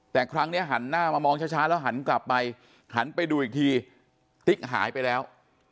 แต่ครั้งนี้หันหน้ามามองช้าแล้วหันกลับไปหันไปดูอีกทีติ๊กหายไปแล้ว